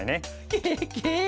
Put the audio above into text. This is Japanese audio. ケケ。